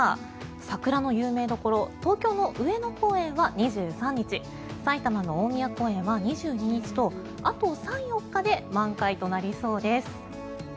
桜の有名どころ東京の上野公園は２３日埼玉の大宮公園は２２日とあと３４日で満開となりそうです。